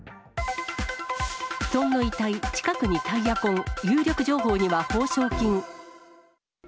布団の遺体、近くにタイヤ痕、有力情報には報奨金。